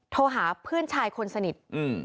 โทรหาเพื่อนชายคนสนิท